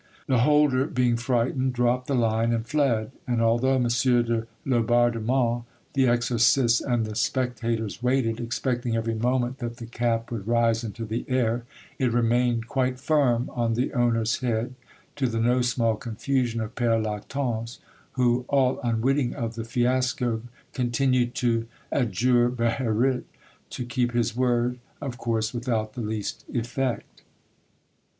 The holder being frightened, dropped the line and fled, and although M. de Laubardemont, the exorcists, and the spectators waited, expecting every moment that the cap would rise into the air, it remained quite firm on the owner's head, to the no small confusion of Pere Lactance, who, all unwitting of the fiasco, continued to adjure Beherit to keep his word—of course without the least effect.